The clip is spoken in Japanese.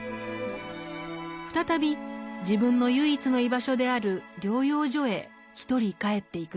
再び自分の唯一の居場所である療養所へ一人帰っていくのでした。